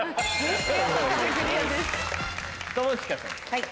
はい。